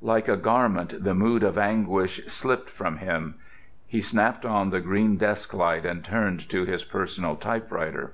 Like a garment the mood of anguish slipped from him. He snapped on the green desk light and turned to his personal typewriter.